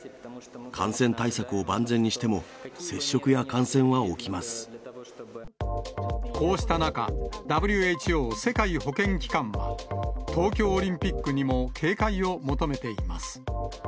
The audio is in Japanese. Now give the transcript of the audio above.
感染対策を万全にしても、こうした中、ＷＨＯ・世界保健機関は、東京オリンピックにも警戒を求めています。